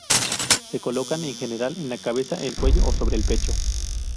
Se colocan en general en la cabeza, el cuello o sobre el pecho.